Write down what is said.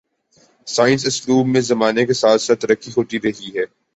سائنسی اسلوب میں زمانے کے ساتھ ساتھ ترقی ہوتی رہی ہے